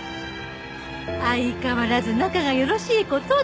相変わらず仲がよろしい事で。